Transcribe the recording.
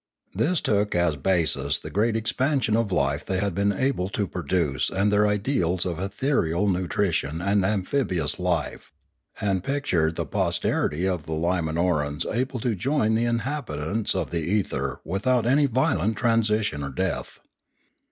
This took as basis the great expansion of life they had been able to produce and their ideals of ethereal nutri tion and amphibious life, and pictured the posterity of the Limanorans able to join the inhabitants of the ether without any violent transition or death.